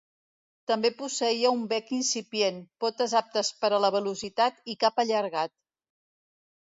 També posseïa un bec incipient, potes aptes per a la velocitat i cap allargat.